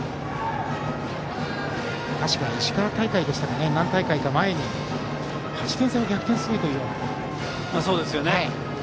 確か、石川大会でしたか何大会か前に８点差を逆転するというような。